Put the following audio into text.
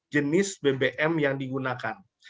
jenis bbm yang digunakan